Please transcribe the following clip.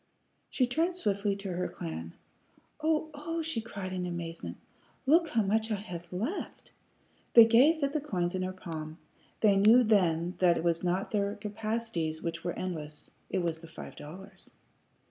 She turned swiftly to her clan. "O oh!" she cried, in amazement. "Look how much I have left!" They gazed at the coins in her palm. They knew then that it was not their capacities which were endless; it was the five dollars.